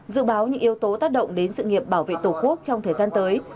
dự báo những yếu tố tác động đến sự nghiệp bảo vệ tổ quốc trong thời gian tới